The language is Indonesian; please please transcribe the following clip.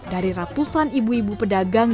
dari ratusan ibu ibu pedagang